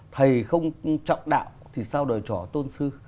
thầy không trọng đạo thì sao đời trò tôn sư